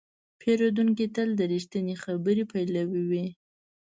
پیرودونکی تل د رښتینې خبرې پلوی وي.